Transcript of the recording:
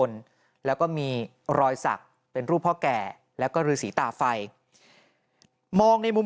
หลังจากพบศพผู้หญิงปริศนาตายตรงนี้ครับ